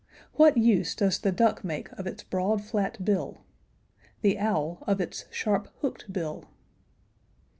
What use does the duck make of its broad flat bill? The owl, of its sharp hooked bill?